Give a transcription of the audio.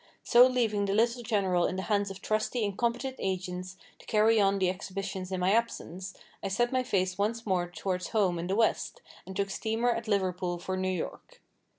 So leaving the little General in the hands of trusty and competent agents to carry on the exhibitions in my absence, I set my face once more towards home and the west, and took steamer at Liverpool for New York.